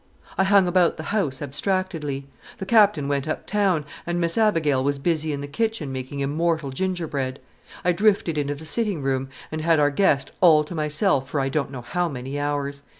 I hung about the house abstractedly. The Captain went up town, and Miss Abigail was busy in the kitchen making immortal gingerbread. I drifted into the sitting room, and had our guest all to myself for I don't know how many hours.